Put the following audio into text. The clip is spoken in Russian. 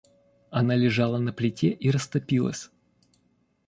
Она лежала на плите и растопилась.